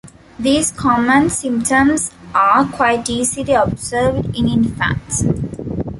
These common symptoms are quite easily observed in infants.